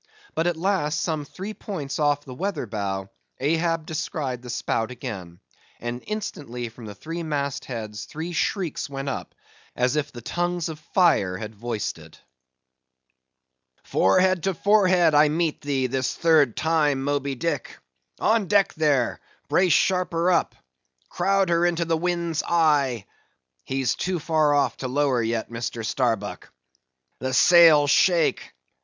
But at last, some three points off the weather bow, Ahab descried the spout again, and instantly from the three mast heads three shrieks went up as if the tongues of fire had voiced it. "Forehead to forehead I meet thee, this third time, Moby Dick! On deck there!—brace sharper up; crowd her into the wind's eye. He's too far off to lower yet, Mr. Starbuck. The sails shake!